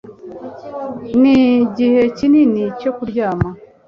Nigihe kinini cyo kuryama